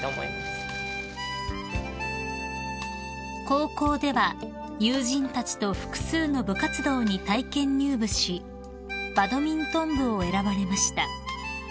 ［高校では友人たちと複数の部活動に体験入部しバドミントン部を選ばれました］